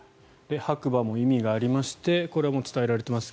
白馬も意味がありましてこれも伝えられています。